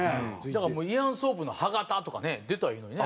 だからもうイアン・ソープの歯形とかね出たらいいのにね。